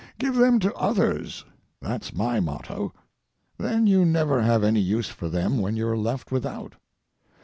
"Give them to others"—that's my motto. Then you never have any use for them when you're left without.